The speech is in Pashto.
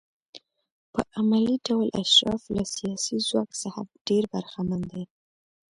په عملي ډول اشراف له سیاسي ځواک څخه ډېر برخمن دي.